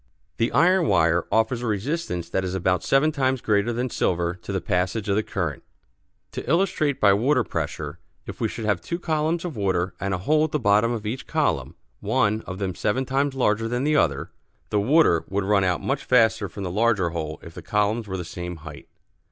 The iron wire offers a resistance that is about seven times greater than silver to the passage of the current. To illustrate by water pressure: If we should have two columns of water, and a hole at the bottom of each column, one of them seven times larger than the other, the water would run out much faster from the larger hole if the columns were the same height.